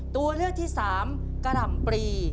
ตัวเลือกที่สามกะหล่ำปรี